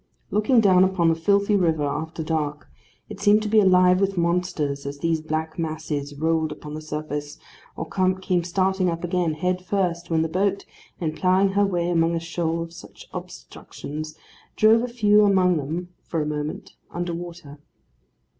Looking down upon the filthy river after dark, it seemed to be alive with monsters, as these black masses rolled upon the surface, or came starting up again, head first, when the boat, in ploughing her way among a shoal of such obstructions, drove a few among them for the moment under water.